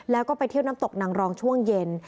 แล้วก็ไปเที่ยวน้ำตกนางรองช่วงเย็น